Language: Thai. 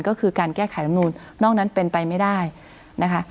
ก็คือการแก้ไขรำนูนนอกนั้นเป็นไปไม่ได้นะคะ